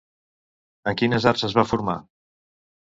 En quines arts es va formar?